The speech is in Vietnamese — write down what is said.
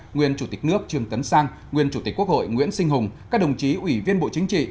nguyên chủ tịch nước trương tấn sang nguyên chủ tịch quốc hội nguyễn sinh hùng các đồng chí ủy viên bộ chính trị